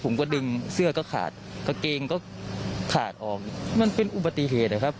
ผมก็ดึงเสื้อก็ขาดกางเกงก็ขาดออกมันเป็นอุบัติเหตุนะครับ